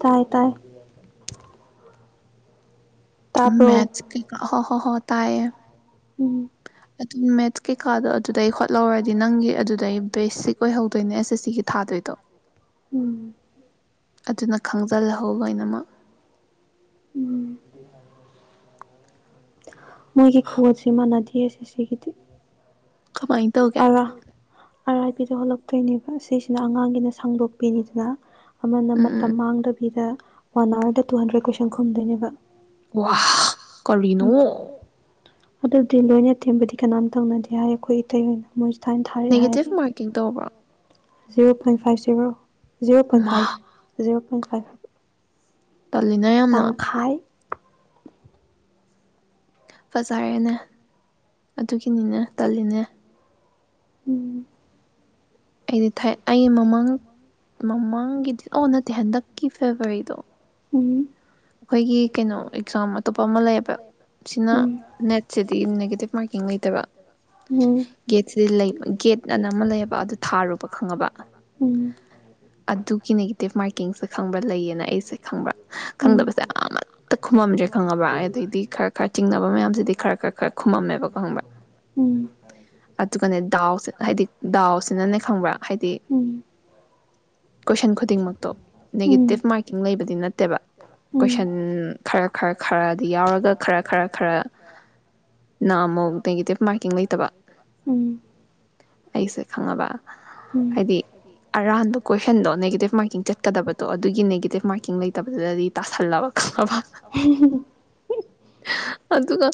ꯇꯥꯏ ꯇꯥꯏ ꯇꯥꯕ꯭ꯔꯣ ꯃꯦꯊ ꯀ ꯍ ꯍꯣ ꯍ ꯇꯥꯏꯌꯦ ꯎꯝ ꯃ ꯄꯩꯀꯥꯗꯣ ꯑꯗꯨꯗꯩ ꯈꯣꯠꯍꯧꯔꯒꯗꯤ ꯅꯪꯒꯤ ꯑꯗꯨꯗꯩ ꯕꯦꯁꯤꯛ ꯑꯗꯨꯗꯩꯗꯏ ꯁꯤꯈꯣꯏ ꯑꯣꯏꯍꯧꯗꯣꯏꯅꯦ ꯑꯦꯁ ꯑꯦꯁ ꯍꯧꯗꯣꯏꯅꯤꯡꯉꯩꯁꯦ ꯁꯤꯒꯤ ꯊꯥꯗꯣꯏꯗꯣ ꯎꯝ ꯑꯗꯨꯅ ꯈꯪꯖꯤꯜꯂꯍꯣ ꯑꯣꯏꯅꯃꯛ ꯎꯝ ꯃꯣꯏꯒꯤ ꯈꯨꯨ ꯁꯤꯃꯅꯅꯥꯗꯤꯁꯦ ꯁꯤꯒꯤꯗꯤ ꯀꯃꯥꯏꯅ ꯇꯧꯒꯦ ꯑꯥꯔ ꯑꯥꯏ ꯄꯤꯗ ꯍꯜꯂꯛꯇꯣꯏꯅꯦꯕ ꯁꯤꯁꯤꯅ ꯑꯉꯥꯡꯒꯤꯅ ꯁꯥꯡꯗꯣꯛꯄꯤꯅꯤꯗꯅ ꯑꯃꯅ ꯎꯝ ꯎꯝ ꯃꯇꯝ ꯎꯝ ꯃꯥꯡꯗꯕꯤꯗ ꯋꯥꯟ ꯑꯋꯥꯔꯗ ꯇꯨ ꯍꯟꯗ꯭ꯔꯦꯗ ꯀꯣꯏꯁꯟ ꯈꯨꯝꯗꯣꯏꯅꯦꯕ ꯋꯥ ꯀꯔꯤꯅꯣ ꯑꯗꯨꯗꯤ ꯂꯣꯏꯅ ꯊꯦꯝꯕꯗꯤ ꯀꯅꯥꯝ ꯇꯧꯅꯗꯦ ꯍꯥꯏ ꯑꯩꯈꯣꯏ ꯃꯣꯏ ꯊꯥꯏꯅ ꯅꯦꯒꯦꯇꯤꯞ ꯃꯥꯔꯀꯤꯡ ꯇꯧꯕ꯭ꯔ zero point five zero zero point ꯃꯥ ꯐꯥꯏꯚ ꯖꯦꯔꯣ ꯐꯩ ꯇꯜꯂꯤꯅ ꯌꯥꯝꯅ ꯇꯪꯈꯥꯏ ꯐꯖꯔꯦꯅꯦ ꯑꯗꯨꯒꯤꯅꯤꯅꯦ ꯇꯜꯂꯤꯅꯦ ꯎꯝ ꯑꯩꯗꯤ ꯑꯩ ꯃꯃꯥꯡ ꯃꯃꯥꯡꯒꯤꯗꯤ ꯑꯣ ꯅꯥꯇꯦ ꯍꯟꯗꯛꯀꯤ ꯂꯕꯔꯤꯗꯨ ꯎꯝ ꯑꯩꯈꯣꯏꯒꯤ ꯀꯩꯅꯣ ꯑꯦꯛꯖꯥꯝ ꯑꯇꯣꯞꯄ ꯑꯃ ꯂꯩꯌꯦꯕ ꯁꯤꯅ ꯎꯝ ꯅꯦꯠꯁꯤꯗꯤ ꯅꯦꯒꯦꯇꯤꯞ ꯃꯥꯔꯀꯤꯡ ꯂꯩꯇꯕ ꯎꯝ ꯒꯦꯠꯁꯤꯗꯤ ꯂꯩ ꯒꯦꯠ ꯑꯅ ꯑꯃ ꯂꯩꯌꯦꯕ ꯑꯗꯨ ꯊꯥꯔꯨꯕ ꯈꯪꯉꯕ ꯎꯝ ꯑꯗꯨꯒꯤ ꯅꯦꯒꯦꯇꯤꯞ ꯃꯥꯔꯀꯤꯡꯁꯦ ꯈꯪꯕ꯭ꯔꯥ ꯂꯩꯌꯦꯅ ꯑꯩꯁꯦ ꯈꯪꯕ꯭ꯔꯥ ꯎꯝ ꯈꯪꯗꯕꯁꯦ ꯑꯃꯠꯇ ꯈꯨꯝꯃꯝꯗ꯭ꯔꯦ ꯈꯪꯉꯕ꯭ꯔ ꯑꯗꯩꯗꯤ ꯈꯔ ꯈꯔ ꯆꯤꯡꯅꯕ ꯃꯌꯥꯝꯁꯤꯗꯤ ꯈꯔ ꯈꯔ ꯈꯔ ꯈꯃꯝꯃꯦꯕ ꯈꯪꯕ꯭ꯔꯥ ꯈꯪꯕ꯭ꯔꯥ ꯎꯝ ꯑꯗꯨꯒꯅꯦ ꯗꯥꯎꯁꯤ ꯍꯥꯏꯗꯤ ꯗꯥꯎꯁꯤꯅꯅꯦ ꯈꯪꯕ꯭ꯔꯥ ꯍꯥꯏꯗꯤ ꯎꯝ ꯀꯣꯏꯁꯟ ꯈꯨꯗꯤꯡꯃꯛꯇꯣ ꯎꯝ ꯅꯦꯒꯦꯇꯤꯞ ꯃꯥꯔꯀꯤꯡ ꯂꯩꯕꯗꯤ ꯅꯠꯇꯦ ꯠꯇꯕ ꯎꯝ ꯀꯣꯏꯁꯟ ꯈꯔ ꯈꯔ ꯈꯔꯗꯤ ꯌꯥꯎꯔꯒ ꯈꯔ ꯈꯔ ꯈꯔ ꯅ ꯑꯃꯨꯛ ꯅꯦꯒꯦꯇꯤꯞ ꯃꯥꯔꯀꯤꯡ ꯂꯩꯇꯕ ꯎꯝ ꯑꯩꯁꯦ ꯈꯪꯉꯕ ꯎꯝ ꯍꯥꯏꯗꯤ ꯑꯔꯥꯟꯕ ꯀꯣꯏꯁꯟꯗꯣ ꯅꯦꯒꯦꯇꯤꯞ ꯃꯥꯔꯀꯤꯡ ꯆꯠꯀꯗꯕꯗꯣ ꯑꯗꯨꯒꯤ ꯅꯦꯒꯦꯇꯤꯞ ꯃꯥꯔꯀꯤꯡ ꯂꯩꯇꯕꯗꯨꯗꯗꯤ ꯇꯁꯜꯂꯕ ꯈꯪꯉꯕ ꯑꯗꯨꯒ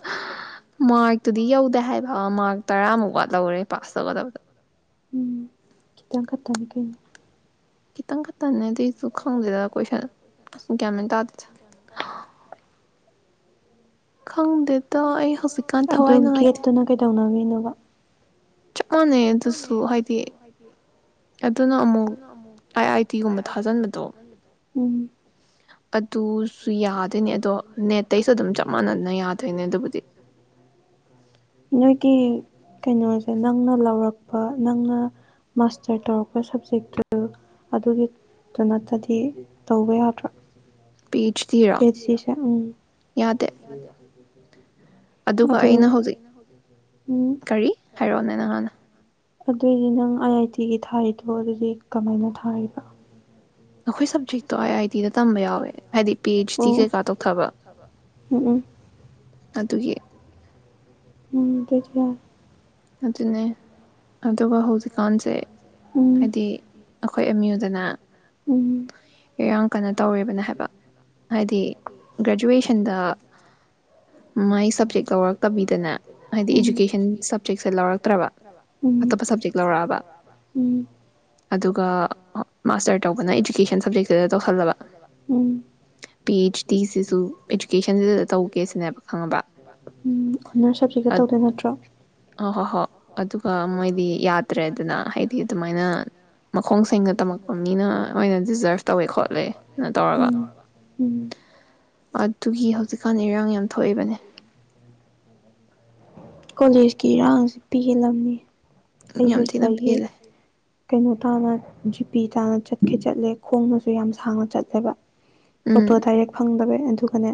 ꯃꯥꯔꯛꯇꯨꯗꯤ ꯌꯧꯗꯦ ꯍꯥꯏꯕ ꯃꯥꯔꯛ ꯇꯔꯥꯃꯨꯛ ꯋꯥ ꯂꯧꯔꯦ ꯄꯥꯁ ꯇꯧꯒꯗꯕꯗ ꯎꯝ ꯈꯤꯇꯪ ꯈꯇꯥꯅꯤ ꯀꯩꯅꯣ ꯈꯤꯇꯪ ꯈꯛꯇꯅꯦ ꯑꯗꯨꯁꯨ ꯈꯪꯗꯦꯗ ꯀꯣꯏꯁꯟ ꯒ꯭ꯥꯟꯃꯦꯟ ꯇꯥꯗꯦꯗ ꯈꯪꯗꯦꯗ ꯑꯩ ꯍꯧꯖꯤꯛꯀꯥꯟ ꯑꯗꯨ ꯊꯋꯥꯏ ꯒꯦꯠ ꯅꯨꯡꯉꯥꯏꯇꯦ ꯀꯩꯗꯧꯅ [unintelligible] ꯆꯞ ꯃꯥꯟꯅꯩ ꯑꯗꯨꯁꯨ ꯍꯥꯏꯗꯤ ꯑꯗꯨꯅ ꯑꯃꯨꯛ ꯑꯥꯏ ꯑꯥꯏ ꯇꯤꯒꯨꯝꯕ ꯊꯥꯖꯟꯕꯗꯣ ꯑꯗꯨꯁꯨ ꯌꯥꯗꯣꯏꯅꯦ ꯑꯗꯣ ꯅꯦꯠꯇꯩꯁꯨ ꯑꯗꯨꯝ ꯆꯞ ꯃꯥꯟꯅꯅ ꯌꯥꯗꯣꯏꯅꯦ ꯑꯗꯨꯕꯨꯗꯤ ꯅꯣꯢꯗꯤ ꯀꯩꯅꯣꯁꯦ ꯅꯪꯅ ꯂꯧꯔꯛꯄ ꯅꯪꯅ ꯃꯥꯁꯇꯔ ꯇꯧꯔꯛꯄ ꯁꯕꯖꯦꯛꯇꯨ ꯑꯗꯨꯒꯤꯗꯨ ꯅꯠꯇꯗꯤ ꯇꯧꯕ ꯌꯥꯗ꯭ꯔꯥ ꯄꯤ ꯑꯩꯆ ꯗꯤꯔꯣ [unintelligible] ꯎꯝ ꯌꯥꯗꯦ ꯑꯗꯨꯒ ꯑꯩꯅ ꯑꯗꯨ ꯍꯧꯖꯤꯛ ꯎꯝ ꯀꯔꯤ ꯍꯥꯏꯔꯛꯑꯣꯅꯣ ꯅꯍꯥꯟ ꯑꯗꯨꯑꯣꯏꯗꯤ ꯅꯪ ꯑꯥꯏ ꯑꯥꯏ ꯇꯤꯒꯤ ꯊꯥꯔꯤꯗꯣ ꯑꯗꯨꯗꯤ ꯀꯃꯥꯏꯅ ꯊꯥꯔꯤꯕ ꯑꯩꯈꯣꯏ ꯁꯕꯖꯦꯛꯇꯣ ꯑꯥꯏ ꯑꯥꯏ ꯇꯤꯗ ꯇꯝꯕ ꯌꯥꯎꯋꯦ ꯍꯥꯏꯗꯤ ꯄꯤ ꯍꯥꯏ ꯑꯩꯆ ꯗꯤ ꯀꯩꯀꯥ ꯇꯧꯊꯕ ꯎꯝ ꯑꯗꯨꯒꯤ [unintelligible] ꯑꯗꯨꯅꯦ ꯑꯗꯨꯒ ꯍꯧꯖꯤꯛꯀꯥꯟꯁꯦ ꯎꯝ ꯍꯥꯏꯗꯤ ꯑꯩꯈꯣꯏ ꯑꯦꯝꯌꯨꯗꯅ ꯎꯝ ꯑꯦ ꯑꯪꯀꯅ ꯇꯧꯔꯦꯕꯅ ꯍꯥꯏꯕ ꯍꯥꯏꯗꯤ ꯒ꯭ꯔꯦꯖꯨꯋꯦꯁꯟꯗ ꯃꯥꯏ ꯁꯞꯖꯦꯛ ꯂꯧꯔꯛꯇꯕꯤꯗꯅ ꯍꯥꯏꯗꯤ ꯎꯝ ꯏꯖꯨꯀꯦꯁꯟ ꯁ ꯁꯞꯖꯦꯛꯁꯦ ꯂꯧꯔꯛꯇ꯭ꯔꯕ ꯎꯝ ꯑꯇꯣꯞꯄ ꯁꯞꯖꯦꯛ ꯂꯧꯔꯛꯑꯕ ꯎꯝ ꯑꯗꯨꯒ ꯃꯥꯁꯇꯔ ꯇꯧꯕꯅ ꯏꯖꯨꯀꯦꯁꯟ ꯁꯞꯖꯦꯛꯁꯤꯗ ꯇꯧꯍꯜꯂꯕ ꯎꯝ ꯗꯤꯁꯤꯁꯨ ꯏꯖꯨꯀꯦꯁꯟꯁꯤꯗ ꯇꯧꯒꯦ ꯁꯤꯅꯦꯕ ꯈꯪꯉꯕ ꯎꯝ ꯑꯣꯅꯔ ꯁꯕꯖꯦꯛꯀ ꯇꯧꯗꯣꯏ ꯅꯠꯇ꯭ꯔꯣ ꯍꯣꯏ ꯍꯣꯏ ꯍꯣꯏ ꯑꯗꯨꯒ ꯃꯣꯏꯗꯤ ꯌꯥꯗ꯭ꯔꯦꯗꯅ ꯍꯥꯏꯗꯤ ꯑꯗꯨꯃꯥꯏꯅ ꯃꯈꯣꯡ ꯁꯦꯡꯅ ꯇꯝꯃꯛꯄ ꯃꯤꯅ ꯑꯣꯏꯅ ꯗꯤꯖꯔꯞ ꯇꯧꯋꯦꯀꯣ ꯇꯧꯔꯒ ꯎꯝ ꯎꯝ ꯑꯗꯨꯒꯤ ꯍꯧꯖꯤꯛꯀꯥꯟꯗ ꯏꯔꯥꯡ ꯌꯥꯝ ꯊꯣꯛꯏꯕꯅꯦ [inaudible] ꯀꯣꯂꯦꯖꯀꯤ ꯏꯔꯥꯡꯁ ꯄꯤꯍꯦꯜꯂꯝꯅꯤ ꯑꯩ ꯌꯥꯝ ꯊꯤꯅ ꯖꯨꯁꯤꯗꯒꯤ ꯄꯦꯜꯂꯦ ꯀꯩꯅꯣ ꯇꯥꯅ ꯖꯤꯄꯤ ꯇꯥꯅ ꯆꯠꯈꯤ ꯆꯠꯂꯦ ꯈꯣꯡꯅꯁꯨ ꯌꯥꯝ ꯁꯥꯡꯅ ꯆꯠꯂꯦꯕ ꯑꯣ ꯎꯝ ꯇꯣ ꯗꯥꯏꯔꯦ ꯐꯪꯗꯕ ꯑꯗꯨꯒꯅꯦ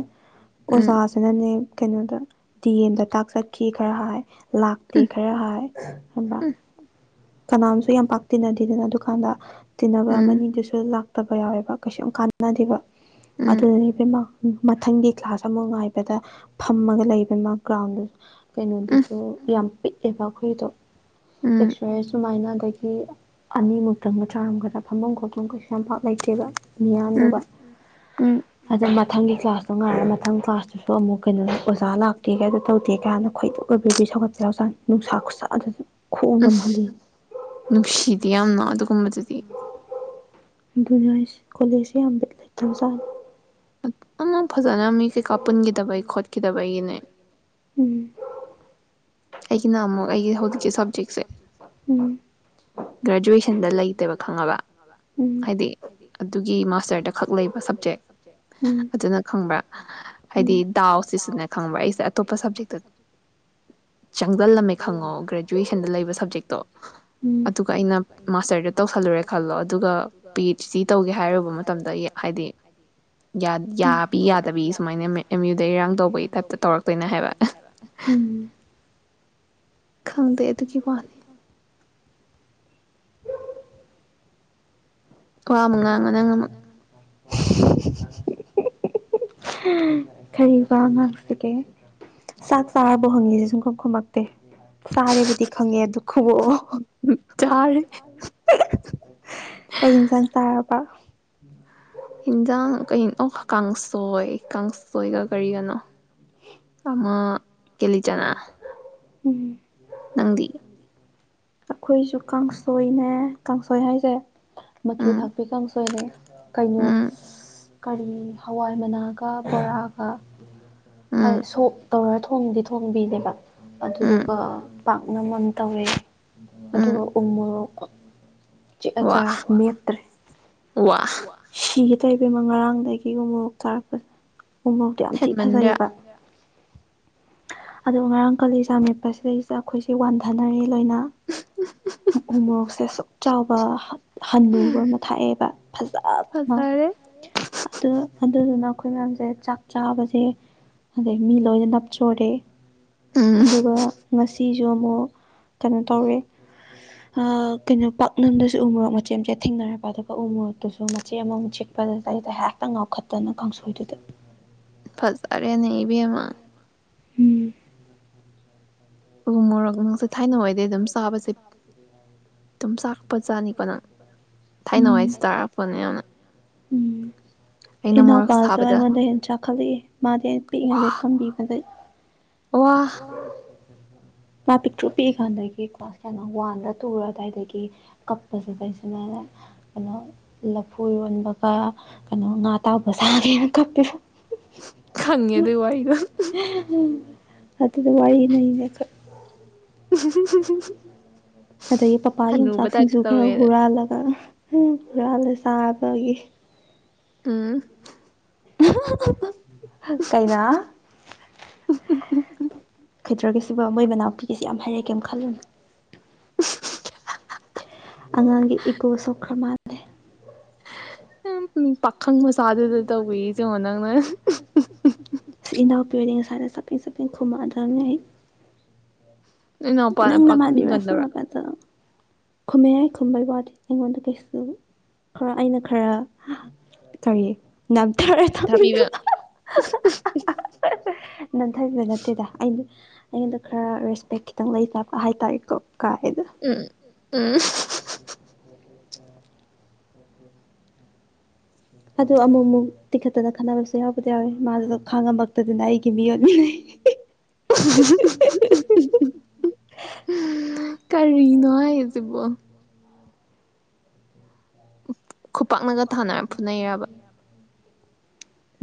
ꯎꯝ ꯑꯣꯖꯥꯁꯤꯅ ꯅꯦ ꯀꯩꯅꯣꯗ ꯗꯤ ꯑꯦꯝꯗ ꯇꯥꯛ ꯆꯠꯈꯤ ꯈꯔ ꯍꯥꯏ ꯂꯥꯛꯇꯦ ꯎꯝ ꯈꯔ ꯍꯥꯏ ꯑ ꯀꯅꯥꯝꯁꯨ ꯌꯥꯝ ꯄꯥꯛꯇꯤꯟꯅꯗꯦꯗꯅ ꯑꯗꯨꯀꯥꯟꯗ ꯇꯤꯟꯅꯕ ꯎꯝ ꯑꯃꯅꯤꯗꯨꯁꯨ ꯂꯥꯛ ꯐꯠꯇꯕ ꯌꯥꯎꯋꯦꯕ ꯀꯩꯁꯨ ꯌꯥꯝ ꯀꯥꯟꯅꯗꯕ ꯎꯝ ꯑꯗꯨꯗꯅꯦ ꯏꯕꯦꯝꯃ ꯃꯊꯪꯒꯤ ꯀ꯭ꯂꯥꯁ ꯑꯃ ꯉꯥꯏꯕꯗ ꯐꯝꯃꯒ ꯂꯩꯕꯅꯤ ꯃꯥ ꯒ꯭ꯔꯥꯎꯟꯗꯨ ꯎꯝ ꯀꯩꯅꯣꯗꯨꯁꯨ ꯌꯥꯝ ꯄꯤꯛ ꯑꯦꯕ ꯑꯩꯈꯣꯏꯗꯨ ꯑꯦ ꯎꯝ ꯁꯨꯃꯥꯏꯅ ꯑꯗꯒꯤ ꯑꯅꯤꯃꯨꯛꯇꯪ ꯃ ꯆꯥꯔꯝꯒꯗ ꯐꯝꯐꯝ ꯈꯣꯠꯐꯝ ꯀꯩꯁꯨ ꯌꯥꯝ ꯄꯥꯛ ꯂꯩꯇꯦꯕ ꯎꯝ ꯎꯝ ꯃꯤꯌꯥꯝꯗꯨꯒ ꯎꯝ ꯑꯗꯨꯗ ꯃꯊꯪꯒꯤ ꯀ꯭ꯂꯥꯁꯇꯣ ꯉꯥꯏꯔ ꯃꯊꯪ ꯀ꯭ꯂꯥꯁꯇꯨꯁꯨ ꯑꯃꯨꯛ ꯀꯩꯅꯣꯗ ꯑꯣꯖꯥ ꯂꯥꯛꯇꯦꯒ ꯑꯗꯨ ꯇꯧꯗꯦꯒ ꯅ ꯈꯣꯏꯗꯧ ꯒ ꯕ꯭ꯔꯤ ꯕꯤ ꯁꯧꯒꯠꯄ ꯌꯥꯎꯖꯥꯠꯅꯤ ꯅꯨꯡꯁꯥ ꯈꯨꯠꯁꯥ ꯑꯗꯨꯁꯨ ꯈꯣꯡꯅ ꯑꯗꯤ ꯅꯨꯡꯁꯤꯗꯦ ꯌꯥꯝꯅ ꯑꯗꯨꯒꯨꯝꯕꯗꯨꯗꯤ ꯑꯗꯨꯅꯦ ꯍꯥꯏꯁꯤ ꯀꯣꯂꯦꯖꯁꯦ ꯌꯥꯝ ꯕꯤꯠ ꯂꯩꯇꯕꯖꯥꯠꯅꯤ [unintelligible] ꯐꯖꯅ ꯃꯤꯁꯤ ꯈ ꯄꯨꯟꯒꯤꯗꯕꯩ ꯈꯣꯠꯈꯤꯗꯕꯒꯤꯅꯦ ꯎꯝ ꯑꯩꯒꯤꯅ ꯑꯃꯨꯛ ꯑꯩꯒꯤ ꯍꯧꯖꯤꯛꯀꯤ ꯁꯕꯖꯦꯛꯁꯦ ꯎꯝ ꯒ꯭ꯔꯦꯖꯨꯨꯨꯑꯦ ꯇꯟꯗ ꯂꯩꯇꯦꯕ ꯈꯪꯉꯕ ꯎꯝ ꯍꯥꯏꯗꯤ ꯑꯗꯨꯒꯤ ꯃꯥꯁꯇꯔꯗ ꯈꯛ ꯂꯩꯕ ꯁꯕꯖꯦꯛ ꯑꯗꯨꯅ ꯈꯪꯕ꯭ꯔꯥ ꯍꯥꯏꯗꯤ ꯎꯝ ꯎꯝ ꯗꯥꯎ ꯁꯤꯁꯏꯅꯦ ꯈꯪꯕ꯭ꯔꯥ ꯑꯩꯁꯦ ꯑꯇꯣꯞꯄ ꯁꯕꯖꯦꯛꯇ ꯆꯪꯖꯜꯂꯝꯃꯦ ꯈꯪꯉꯣ ꯒ꯭ꯔꯦꯖꯨꯑꯦꯁꯟꯗ ꯂꯩꯕ ꯁꯕꯖꯦꯛꯇꯣ ꯑꯗꯨꯒ ꯑꯩꯅ ꯃꯥꯁ ꯃꯥꯁꯇꯔꯒ ꯇꯧꯁꯜꯂꯨꯔꯦ ꯈꯜꯂꯣ ꯑꯗꯨꯒ ꯄꯤ ꯑꯩꯆ ꯗꯤ ꯇꯧꯒꯦ ꯍꯥꯏꯔꯨꯕ ꯃꯇꯝꯗꯗꯤ ꯍꯥꯏꯗꯤ ꯌꯥ ꯌꯥꯕꯤ ꯌꯥꯗꯕꯤ ꯁꯨꯃꯥꯏꯅ ꯃꯦ ꯑꯦꯝ ꯌꯨꯗ ꯏꯔꯥꯡ ꯇꯧꯕꯩ ꯇꯥꯏꯞꯇ ꯇꯧꯔꯛꯇꯣꯏꯅꯦ ꯍꯥꯏꯕ ꯑꯗꯨꯒꯤ ꯈꯪꯗꯦ ꯑꯗꯨꯗꯤ ꯋꯥꯅꯤ ꯀꯃꯥꯏ ꯋꯥ ꯑꯃꯨꯛ ꯉꯥꯡꯉꯣ ꯅꯪ ꯑꯃꯨꯛ ꯍꯍꯍ ꯀꯔꯤ ꯋꯥ ꯉꯥꯛꯁꯤꯒꯦ ꯆꯥꯛ ꯆꯥꯔꯕ ꯍꯪꯉꯤꯁꯤ ꯁꯨꯡꯈꯨꯝ ꯈꯨꯃꯛꯇꯦ ꯆꯥꯔꯦꯕꯨꯗꯤ ꯈꯪꯉꯦ ꯑꯗꯨ ꯈꯨꯕꯣꯛꯑꯣ ꯆꯥꯔꯦ ꯀꯩꯏꯟꯖꯥꯡ ꯌꯥꯔꯕ ꯏꯟꯖꯥꯡ ꯀꯩꯅ ꯑꯣ ꯀꯥꯡꯁꯣꯏ ꯀꯥꯡꯁ ꯁꯣꯏꯒ ꯀꯔꯤꯒꯅꯣ ꯑꯃ ꯀꯦꯂꯤꯆꯅꯥ ꯀꯤꯂꯤꯆꯅꯥ ꯎꯝ ꯅꯪꯗꯤ ꯑꯈꯣꯏꯁꯨ ꯀꯥꯡꯁꯣꯏꯅꯦ ꯀꯥꯡꯁꯣꯏ ꯍꯥꯏꯁꯦ ꯃꯆꯨ ꯎꯝ ꯊꯥꯛꯄꯤ ꯀꯥꯡꯁꯣꯏꯅꯦ ꯀꯩꯅꯣ ꯎꯝ ꯀꯔꯤ ꯍꯋꯥꯏ ꯃꯅꯥꯒ ꯕꯣꯔꯥꯒ ꯎꯝ ꯍꯥꯏꯗꯤ ꯁꯣꯛ ꯇꯧꯔ ꯊꯣꯡꯕꯤꯗꯣ ꯊꯣꯡꯕꯤꯅꯦꯕ ꯎꯝ ꯑꯗꯨꯏꯗꯨꯀꯣ ꯄꯥꯛꯅꯝ ꯑꯝ ꯇꯧꯔꯦ ꯎꯝ ꯑꯗꯨꯒ ꯎꯃꯣꯔꯣꯛ ꯆꯦ ꯋꯥ ꯑꯆꯥꯔ ꯃꯦꯠꯇ꯭ꯔꯦ ꯋꯥ ꯁꯤꯒꯦ ꯇꯧꯏ ꯏꯕꯦꯝꯃ ꯉꯔꯥꯡꯗꯒꯤ ꯎꯃꯣꯔꯣꯛ ꯆꯥꯔꯛꯄꯟ ꯎꯃꯣꯔꯣꯛꯇꯣ ꯌꯥꯝ ꯊꯤꯅ ꯍꯦꯟꯃꯟꯗ꯭ꯔꯥ ꯐꯖꯩꯌꯦꯕ ꯑ ꯉꯔꯥꯡ ꯀꯥꯂꯤꯖꯥꯃꯤꯠꯄꯁꯤꯗꯩꯁꯤꯗ ꯑꯩꯈꯣꯏꯁꯦ ꯋꯥꯟꯊꯅꯔꯦ ꯂꯣꯏꯅ ꯎ ꯃꯣꯔꯣꯛꯁꯦ ꯁꯁꯨꯛ ꯆꯥꯎꯕ ꯍꯟꯅꯨꯕ ꯑꯃ ꯊꯥꯛꯑꯦꯕ ꯐꯖꯕ ꯑꯃ ꯐꯖꯔꯦ ꯑꯗꯨ ꯑꯗꯨꯗꯨꯅ ꯑꯩꯈꯣꯏ ꯃꯌꯥꯝꯁꯦ ꯆꯥꯛ ꯆꯥꯕꯁꯦ ꯑꯗꯩ ꯃꯤ ꯂꯣꯏꯅ ꯅꯞꯆꯣꯔꯦ ꯎꯝ ꯑꯗꯨꯒ ꯉꯁꯤ ꯨ ꯑꯃꯨꯛ ꯀꯩꯅꯣ ꯇꯧꯔꯦ ꯀꯩꯅꯣ ꯄꯥꯛꯅꯝꯗꯁꯨ ꯎ ꯃꯣꯔꯣꯛ ꯃꯆꯦ ꯃꯆꯦꯠ ꯊꯦꯡꯅꯔꯄ ꯑꯗꯨꯒ ꯎ ꯃꯣꯔꯣꯛꯇꯨꯁꯨ ꯃꯆꯦ ꯑꯃꯃꯨꯛ ꯆꯤꯛꯄꯗ ꯑꯇꯩꯗ ꯍꯦꯛꯇ ꯉꯥꯎꯈꯠꯇꯅ ꯀꯥꯡꯁꯣꯏꯗꯨꯗ ꯐꯖꯔꯦꯅꯦ ꯏꯕꯦꯝꯃ ꯎꯝ ꯎ ꯃꯣꯔꯣꯛ ꯅꯪꯁꯦ ꯊꯥꯏꯅ ꯑꯣꯏꯗꯩ ꯑꯗꯨꯝ ꯆꯥꯕꯁꯦ ꯑꯗꯨꯝ ꯆꯥꯛꯄꯖꯥꯅꯤꯀꯣ ꯅꯪ ꯎꯝ ꯊꯥꯏꯅꯋꯥꯏꯁꯤ ꯇꯥꯔꯛꯄꯅꯦ ꯌꯥꯝꯅ ꯎꯝ ꯑꯩꯅ ꯃꯣꯔꯣꯛ ꯏꯅꯥꯎꯄꯥꯁꯨ ꯁꯥꯕꯗ ꯑꯩꯉꯣꯟꯗ ꯍꯦꯟꯅ ꯆꯥꯎꯈꯠꯂꯛꯑꯦ ꯃꯥꯗꯤ ꯑꯩꯅ ꯋꯥ ꯄꯤꯛꯂꯤꯉꯩꯗꯩ ꯊꯝꯕꯤꯕꯗꯩ ꯋꯥ ꯂꯥ ꯄꯤꯛꯇ꯭ꯔꯨ ꯄꯤꯛꯏ ꯀꯥꯟꯗꯒꯤ ꯀ꯭ꯂꯥꯁ ꯀꯩꯅꯣ ꯋꯥꯟꯗ ꯇꯨꯔ ꯑꯗꯨꯗꯥꯋꯥꯏꯗꯒꯤ ꯀꯞꯄꯁꯤꯗꯩꯁꯤꯅ ꯀꯩꯅꯣ ꯂꯐꯨ ꯌꯣꯟꯕꯒ ꯀꯩꯅꯣ ꯉꯥ ꯇꯥꯎꯕ ꯁꯥꯒꯦꯅ ꯀꯞꯄꯦ ꯈꯪꯉꯦ ꯑꯗꯨꯏ ꯋꯥꯔꯤꯗꯣ ꯑꯗꯨꯗ ꯋꯥꯔꯤꯅꯩꯅ ꯑꯗꯒꯤ ꯄꯄꯥ ꯍꯅꯨꯕ ꯇꯥꯏꯞꯇ ꯌꯣꯡꯆꯥꯛꯁꯤꯡꯁꯨ ꯈꯔ ꯇꯧꯋꯦꯅ ꯍꯨꯔꯥꯜꯂꯒ ꯎꯝ ꯍꯨꯔꯥꯟꯂꯒ ꯆꯥꯕꯒꯤ ꯑꯝ [inaudible] ꯀꯩꯅꯣ ꯈꯩꯗ꯭ꯔꯒ ꯁꯤꯕ ꯃꯣꯏ ꯃꯅꯥꯎꯄꯤꯒꯤꯁꯤꯦ ꯌꯥꯝ ꯍꯥꯏꯔꯛꯀꯦ ꯈꯜꯂꯨꯅꯤ [inaudible] ꯑꯉꯥꯡꯒꯤ ꯏꯀꯣ ꯁꯣꯛꯈ꯭ꯔ ꯃꯥꯜꯂꯦ [inaudible] ꯃꯆꯥꯗꯨꯗ ꯇꯧꯋꯤ ꯌꯦꯡꯉꯣ ꯅꯪꯅ ꯁꯤꯅ ꯄꯦꯔꯦꯟꯁ ꯍꯥꯏꯗ ꯆꯕꯦꯡ ꯆꯕꯦꯡ ꯊꯣꯝꯃꯛꯑꯗꯝꯅꯤ ꯑꯩ ꯏꯅꯥꯎꯄꯥꯅ ꯅꯪꯅ ꯄꯥꯈꯪꯒꯟꯗꯧꯔ ꯃꯥꯗꯤꯕꯁꯅꯄꯠꯇ ꯈꯨꯝꯃꯦ ꯌꯥꯏ ꯈꯨꯝꯕꯩ ꯋꯥꯗꯤ ꯑꯩꯉꯣꯟꯗ ꯀꯩꯁꯨ ꯈꯔ ꯑꯩꯅ ꯈꯔ ꯇꯧꯏ ꯅꯝꯊꯔ ꯐꯤ ꯊꯄꯤꯨ ꯊꯥꯕꯤꯕ ꯅꯟꯊꯕꯤꯕ ꯅꯠꯇꯦꯗ ꯑꯩꯅ ꯑꯩꯗ ꯈꯔ ꯔꯦꯁꯄꯦꯛꯈꯤ ꯈꯤꯇꯪ ꯂꯩ ꯆꯥꯕ ꯍꯥꯏꯇꯥꯔꯦꯀꯣ ꯀꯥꯏ ꯎꯝ ꯎꯝ ꯎꯝ ꯑꯗꯨ ꯑꯃꯨꯛ ꯑꯃꯨꯛ ꯇꯤꯈꯠꯇꯅ ꯈꯟꯅꯕꯁꯨ ꯌꯥꯎꯕꯗꯤ ꯌꯥꯎꯋꯦ ꯃꯥꯁꯨ ꯈꯥꯡꯉꯝꯃꯛꯇꯗꯅ ꯑꯩꯒꯤ ꯃꯤꯑꯣꯠ ꯃꯤꯅꯩ ꯀꯥꯔꯤꯅꯣꯍꯩ ꯍꯧꯖꯤꯛꯄꯣ ꯎꯐ ꯈ ꯊꯅ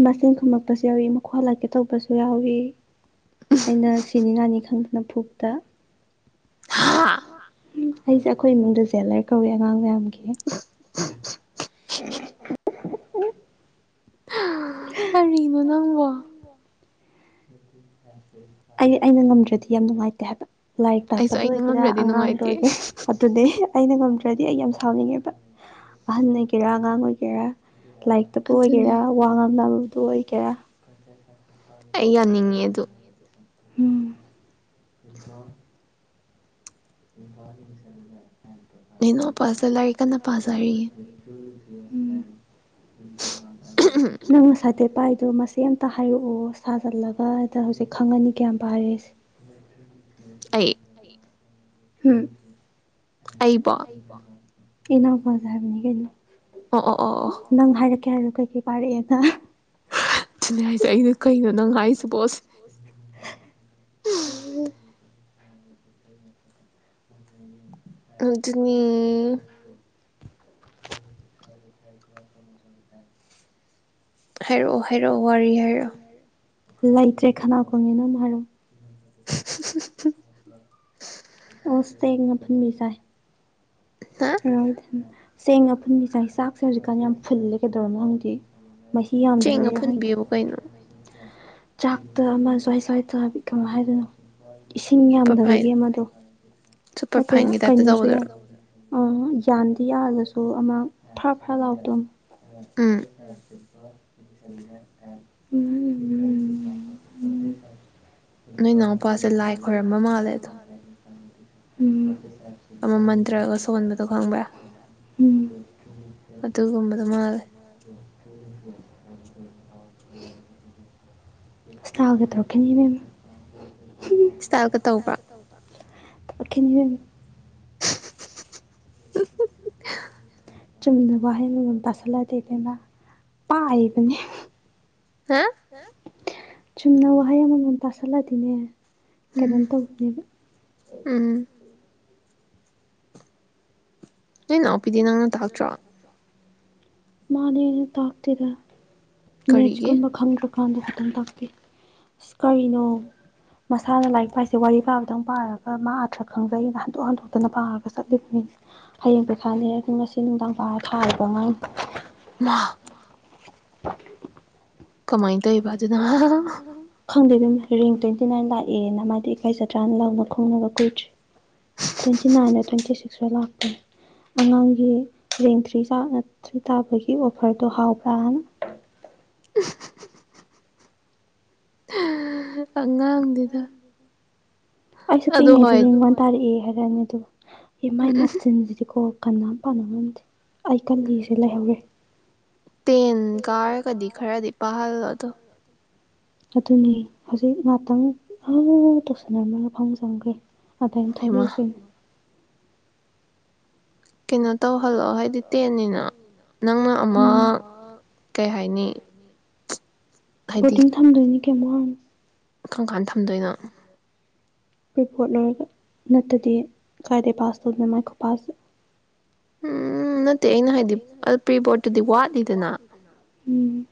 ꯃꯁꯤꯟ ꯈꯨꯝꯃꯛꯄꯁꯨ ꯌꯥꯎꯏ ꯃꯈꯨꯠ ꯍꯟꯂꯛꯀꯦ ꯇꯧꯕꯁꯨ ꯌꯥꯎꯏ ꯑꯩꯅ ꯁꯤꯅꯤ ꯅꯥꯅꯤ ꯈꯪꯗ ꯅꯐꯨꯇ ꯍꯥ ꯎ ꯑꯩꯁꯦ ꯑꯩꯈꯣꯏ ꯏꯃꯨꯡꯗ ꯖꯦꯂꯔ ꯀꯧꯋꯦ ꯑꯉꯥꯡ ꯃꯌꯥꯝꯒꯤ [inaudible] ꯀꯔꯤꯅꯣ ꯅꯪꯕ ꯑꯩ ꯑꯩꯅ ꯉꯝꯗ꯭ꯔꯗꯤ ꯌꯥꯝ ꯅꯨꯡꯉꯥꯏꯇꯦ ꯍꯥꯏꯕ ꯂꯥꯏꯔꯤꯛ ꯑꯩꯁꯨ ꯇꯥꯛꯄꯗ ꯑꯩꯅ ꯑꯣꯏꯒꯦꯔꯥ ꯉꯝꯗ꯭ꯔꯗꯤ ꯑꯉꯥꯡꯗ ꯅꯨꯡꯉꯥꯏꯇꯦ ꯑꯣꯏꯒꯦꯔꯥ ꯑꯗꯨꯗꯤ ꯑꯩꯅ ꯉꯝꯗ꯭ꯔꯗꯤ ꯑꯩ ꯌꯥꯝ ꯁꯥꯎꯅꯤꯡꯉꯦꯕ ꯑꯍꯟ ꯑꯣꯏꯒꯦꯔ ꯑꯉꯥꯡ ꯑꯣꯏꯒꯦꯔ꯫ ꯂꯥꯏꯔꯤꯛꯇꯕꯨ ꯑꯗꯨꯅꯦ ꯑꯣꯏꯒꯦꯔ ꯋꯥ ꯉꯥꯡꯅꯕ꯫ ꯇꯨ ꯑꯣꯏꯀꯦꯔ꯫ ꯑꯩ ꯌꯥꯅꯤꯡꯉꯤ ꯑꯗꯨ꯫ ꯎꯝ ꯍꯣ ꯏꯇꯥꯎ꯫ [unintelligible] ꯅꯅꯣ ꯄꯥꯁꯇ ꯂꯔꯤ ꯀꯟꯅ ꯄꯖ ꯍꯥꯏꯔꯤꯌꯦ꯫ ꯎꯝ꫰ ꯅꯃꯣ ꯁꯥꯥꯏꯗꯦꯕ꯫ ꯏꯄꯥꯏꯗꯣ ꯃꯁ ꯑꯃꯇ ꯍꯥꯏꯔꯛꯑꯣ ꯁꯥꯖꯜꯂꯒꯗ ꯍꯧꯖꯤꯛ ꯈꯪꯉꯅꯤ ꯀꯌꯥꯝ ꯄꯥꯔꯦꯁꯦ꯫ ꯑꯩ꯫ ꯎꯝ꯫ ꯑꯩꯕꯣ꯫ ꯑꯩꯅꯧ ꯄꯥꯖꯦ ꯍꯥꯏꯕꯅꯤ ꯀꯩꯅꯣ꯫ ꯑꯣ ꯑꯣ ꯑꯣ ꯑꯣ ꯅꯪ ꯍꯥꯏꯔꯛꯀꯦ ꯍꯥꯏꯔꯣ꯫ ꯀꯩ ꯀꯩ ꯄꯥꯥꯔꯛꯑꯦꯗ꯫ ꯑꯗꯨꯅꯦ ꯍꯥꯏꯁꯦ ꯑꯩꯅ ꯀꯩꯅꯣ ꯅꯪ ꯀꯩꯅꯣ ꯅꯡ ꯍꯥꯏꯁꯤꯕꯣ ꯍꯥꯏꯗꯨꯕꯣ꯫ [unintelligible] ꯑꯗꯨ ꯑꯗꯨꯅꯤ꯫ ꯍꯥꯏꯔꯛꯑꯣ ꯍꯥꯏꯔꯛꯑꯣ ꯋꯥꯔꯤ ꯍꯥꯏꯔꯛꯑꯣ꯫ ꯂꯩꯇ꯭ꯔꯦ ꯈꯅꯥꯎ ꯀꯪꯉꯦ ꯅꯪꯅ ꯍꯥꯏꯔꯛꯑꯣ꯫ [inaudible] ꯑꯣꯁꯇꯦ ꯉꯥꯐꯟꯕꯤ ꯆꯏ꯫ ꯍꯥ [unintelligible] ꯁꯦꯡ ꯑꯐꯨꯟꯕꯤ ꯆꯥꯏ ꯆꯥꯛꯁꯦ ꯍꯧꯖꯤꯛꯀꯥꯟ ꯌꯥꯝ ꯐꯨꯜꯂꯦ ꯀꯩꯗꯧꯔꯝꯅꯣ ꯈꯪꯗꯦ꯫ ꯃꯍꯤ ꯆꯦꯡ ꯌꯥꯝꯗꯕꯩꯔ ꯈꯪꯗꯦ꯫ ꯑꯐꯨꯟꯕꯤꯕꯨ ꯀꯩꯅꯣ ꯆꯥꯛꯇ ꯑꯃ ꯁ꯭ꯋꯥꯏ ꯁ꯭ꯋꯥꯏ ꯇꯥꯕꯤ ꯀꯃꯥꯏ ꯍꯥꯏꯗꯣꯏꯅꯣ꯫ ꯏꯁꯤꯡ ꯁꯨꯄꯔ ꯐꯥꯏꯟ ꯌꯥꯝꯗꯕꯒꯤ ꯑꯃꯗꯣ꯫ ꯁꯨꯄꯔ ꯅꯠꯇꯦ ꯐꯥꯏꯟꯒꯤ ꯇꯥꯏꯞꯇ ꯀꯩꯅꯣꯁꯨ ꯌꯥꯏ ꯇꯧꯕꯗꯨꯔꯣ ꯑꯥ ꯌꯥꯟꯗꯤ ꯌꯥꯜꯂꯁꯨ꯫ ꯑꯣ ꯑꯃ ꯐꯔꯥ ꯐꯔꯥ ꯂꯥꯎꯕꯗꯣ꯫ [unintelligible] ꯎꯝ ꯅꯔꯁꯤ꯫ ꯎꯝ꯫ ꯅꯣꯏ ꯅꯥꯎꯄꯥꯁꯦ ꯂꯥꯏ ꯈꯣꯏꯔꯝꯕ ꯃꯥꯜꯂꯦ꯫ ꯎꯝ꯫ ꯑꯃ ꯃꯟꯇ꯭ꯔꯒ ꯁꯣꯟꯕꯗꯣ ꯈꯪꯕ꯭ꯔꯥ ꯑꯗꯨꯒꯨꯝꯕꯗꯨ ꯃꯥꯜꯂꯦ꯫ ꯁ꯭ꯇꯥꯥꯎꯒ ꯇꯧꯔꯛꯈꯤꯅꯤ ꯏꯕꯦꯝꯃ꯫ ꯏꯁ꯭ꯇꯥꯏꯜꯒ ꯇꯧꯕ꯭ꯔꯥ꯫ [unintelligible] ꯆꯨꯝꯅ ꯋꯥꯍꯩ ꯃꯉꯣꯟ ꯇꯥꯁꯤꯜꯂꯗꯦꯗꯅ ꯄꯥꯏꯕꯅꯦ꯫ ꯍꯥ꯫ ꯆꯨꯝꯅ ꯋꯥꯍꯩ ꯑꯃꯃꯝ ꯇꯥꯁꯜꯂꯗꯤꯅꯦ꯫ ꯎꯝ ꯀꯩꯅꯣꯝ ꯇꯧꯕꯅꯦꯕ꯫ ꯎꯝ ꯅꯣꯏ ꯅꯥꯎꯄꯤꯗꯤ ꯅꯪꯅ ꯇꯥꯛꯇ꯭ꯔꯣ꯫ ꯃꯥꯗꯤ ꯑꯩꯅ ꯇꯥꯛꯇꯦꯗ꯫ ꯀꯔꯤꯒꯤ ꯃꯦꯠꯆꯀꯨꯝꯕ ꯈꯪꯗ꯭ꯔ꯫ ꯀꯥꯟꯗꯣ ꯇꯪ ꯇꯥꯛꯄꯤ ꯑꯁ ꯀꯔꯤꯅꯣ ꯃꯁꯥꯅ ꯂꯥꯏꯔꯤꯛ ꯄꯥꯏꯁꯦ ꯋꯥꯔꯤ ꯄꯥꯕꯗꯪ ꯄꯥꯔꯒ ꯃꯥ ꯑꯊ꯭ꯔ ꯈꯪꯖꯩꯅ ꯍꯟꯗꯣꯛ ꯍꯟꯗꯣꯛꯇꯅ ꯄꯥꯔꯒ ꯆꯠꯂꯤꯕꯅꯤꯅ ꯍꯌꯦꯡ ꯄꯩꯈꯥꯅꯤ ꯉꯁꯤ ꯅꯨꯡꯗꯥꯡ ꯄꯥꯔ ꯊꯥꯔꯤꯕ ꯑꯉꯥꯡꯅꯤ꯫ ꯃꯥꯍ꯫ [inaudible] ꯀꯃꯥꯏ ꯇꯧꯏꯕ ꯑꯗꯨꯅ꯫ ꯈꯪꯗꯦ ꯏꯕꯦꯝꯃ ꯔꯦꯡ ꯇ꯭ꯋꯦꯟꯇꯤ ꯅꯥꯏꯟ ꯂꯥꯛꯑꯦꯅ ꯃꯥꯗꯤ ꯏꯀꯥꯏꯖꯗ꯭ꯔꯅ ꯂꯥꯎꯅ ꯈꯣꯡꯅꯕ ꯀꯨꯏꯗ꯭ꯔꯤ ꯇ꯭ꯋꯦꯟꯇꯤ ꯅꯥꯏꯟꯗ ꯇ꯭ꯋꯦꯟꯇꯤ ꯁꯤꯛꯁꯁꯨ ꯂꯥꯛꯄꯅꯦ ꯑꯉꯥꯡꯒꯤ ꯔꯦꯡ ꯊ꯭ꯔꯤ ꯊ꯭ꯔꯤ ꯇꯥꯕꯒꯤ ꯑꯣꯐꯔꯗꯣ ꯍꯥꯎꯕ꯭ꯔꯥꯅ꯫ ꯑꯉꯥꯡꯗꯨꯗ꯫ ꯑꯩꯁꯨ ꯑꯗꯣ ꯄꯤꯛꯏꯉꯩꯗ ꯍꯣꯏ ꯔꯦꯡ ꯋꯥꯟ ꯇꯥꯔꯛꯑꯦ ꯍꯥꯏ꯫ [unintelligible] ꯅꯤ ꯑꯗꯨ꯫ ꯑꯦ ꯃꯥꯏ ꯃꯆꯤꯟꯁꯤꯗꯤꯀꯣ꯫ ꯀꯅꯥꯝ ꯄꯥꯅ ꯉꯝꯗꯦ ꯑꯩ ꯀꯜꯂꯤꯖꯤ ꯂꯩꯍꯧꯔꯦ꯫ ꯇꯦꯟ ꯀꯥꯔꯒꯗꯤ ꯈꯔꯗꯤ ꯄꯥꯍꯜꯂꯣ꯫ ꯇꯣ ꯑꯗꯨꯅꯤ ꯍꯧꯖꯤꯛ ꯉꯍꯥꯛꯇꯪ [unintelligible] ꯇꯧꯁꯟꯅꯔꯝꯃ ꯐꯪꯃꯨꯡ ꯆꯪꯒ꯭ꯔꯦ꯫ ꯍꯩꯃ [unintelligible] ꯀꯩꯅꯣ ꯇꯧꯍꯜꯂꯣ ꯍꯥꯏꯗꯤ ꯇꯦꯟꯠꯅꯤꯅ ꯅꯪꯅ ꯑꯃ ꯎꯝ ꯀꯩ ꯍꯥꯏꯅꯤ ꯕꯣꯗꯤꯡ ꯊꯝꯗꯣꯏꯅꯤ꯫ [unintelligible] ꯀꯝꯀꯥꯟ ꯊꯝꯗꯣꯏꯅꯣ ꯔꯤꯄꯣꯔꯠ ꯂꯧꯏꯔꯒ ꯅꯠꯇꯗꯤ ꯀꯥꯏꯗꯩ ꯄꯥꯁ ꯇꯧꯗꯅꯣ ꯃꯥꯏ ꯈꯨ ꯄꯥꯁꯦ꯫ ꯎꯝ ꯅꯠ ꯇꯦ ꯑꯩꯅ ꯍꯥꯏꯗꯤ ꯄ꯭ꯔꯤ ꯕꯣꯠꯇꯨꯗꯤ ꯋꯥꯠꯂꯤꯗꯅ ꯫ ꯎꯝ꯫